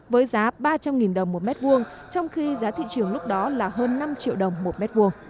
với giá ba trăm linh đồng một m hai trong khi giá thị trường lúc đó là hơn năm triệu đồng một m hai